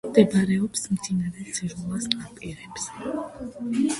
მდებარეობს მდინარე ძირულის ნაპირებზე.